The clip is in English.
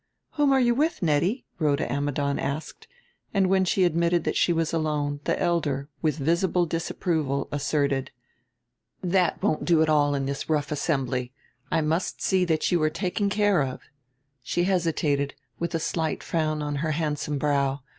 "Whom are you with, Nettie?" Rhoda Ammidon asked; and when she admitted that she was alone the elder, with visible disapproval, asserted: "That won't do at all in this rough assembly. I must see that you are taken care of." She hesitated, with a slight frown on her handsome brow.